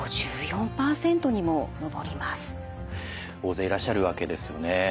大勢いらっしゃるわけですよね。